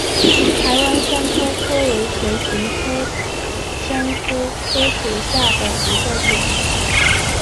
台湾香科科为唇形科香科科属下的一个种。